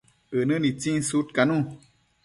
ënë nitsin sudcanun